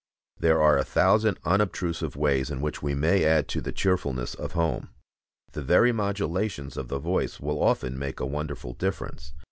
There are a thousand unobtrusive ways in which we may add to the cheerfulness of home. The very modulations of the voice will often make a wonderful difference.